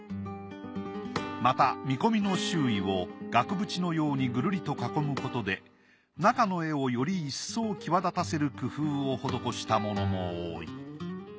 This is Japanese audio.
また見込みの周囲を額縁のようにぐるりと囲むことで中の絵をより一層際立たせる工夫を施したものも多い。